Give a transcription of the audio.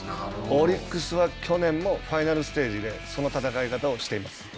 オリックスは去年もファイナルステージでその戦い方をしています。